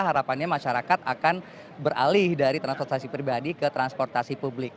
harapannya masyarakat akan beralih dari transportasi pribadi ke transportasi publik